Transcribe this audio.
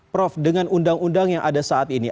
prof dengan undang undang yang ada saat ini